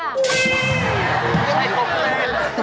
ไม่ใช่ผมเลย